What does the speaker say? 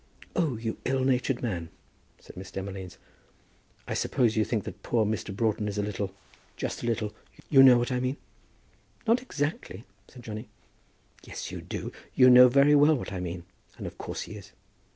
"Oh, you ill natured man," said Miss Demolines. "I suppose you think that poor Mr. Broughton is a little just a little, you know what I mean." "Not exactly," said Johnny. "Yes, you do; you know very well what I mean. And of course he is.